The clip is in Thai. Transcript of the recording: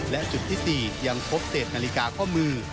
และจุดที่๔ยังพบเศษนาฬิกาข้อมือ